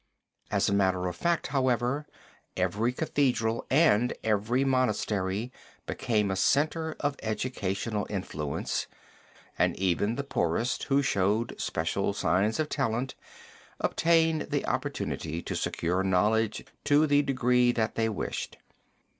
As a matter of fact, however, every Cathedral and every monastery became a center of educational influence, and even the poorest, who showed special signs of talent, obtained the opportunity to secure knowledge to the degree that they wished.